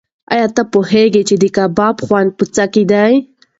ایا ته پوهېږې چې د کباب خوند په څه کې دی؟